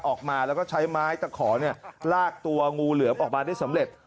ออกมาแล้วก็ใช้ไม้ตะขอลากตัวงูเหลือมออกมาได้สำเร็จ